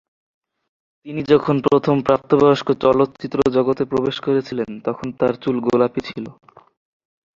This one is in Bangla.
তিনি যখন প্রথম প্রাপ্তবয়স্ক চলচ্চিত্র জগতে প্রবেশ করেছিলেন, তখন তাঁর চুল গোলাপী ছিল।